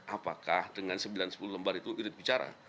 apakah dengan sembilan sepuluh lembar itu irit bicara